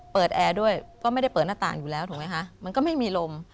แอร์ด้วยก็ไม่ได้เปิดหน้าต่างอยู่แล้วถูกไหมคะมันก็ไม่มีลม